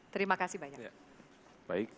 terima kasih banyak